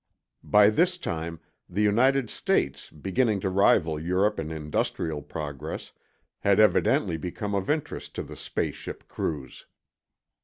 By this time, the United States, beginning to rival Europe in industrial progress, had evidently become of interest to the space ship crews.